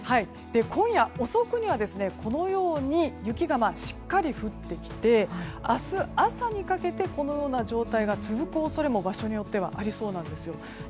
今夜遅くには雪がしっかり降ってきて明日朝にかけてはこのような状態が続く場所も場所によってはありそうなんです。